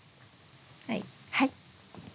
はい。